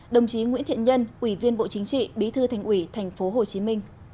đồng chí nguyễn thiện nhân ủy viên bộ chính trị bí thư thành ủy tp hcm